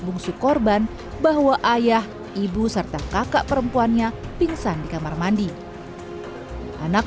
bungsu korban bahwa ayah ibu serta kakak perempuannya pingsan di kamar mandi anak